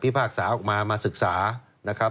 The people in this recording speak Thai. พากษาออกมามาศึกษานะครับ